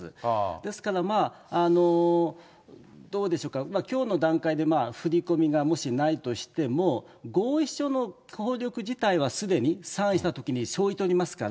ですから、どうでしょうか、きょうの段階で振り込みがもしないとしても、合意書の効力自体は、すでにサインしたときに生じておりますから。